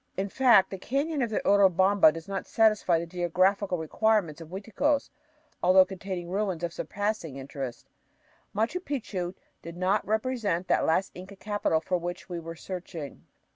In fact, the canyon of the Urubamba does not satisfy the geographical requirements of Uiticos. Although containing ruins of surpassing interest, Machu Picchu did not represent that last Inca capital for which we were searching.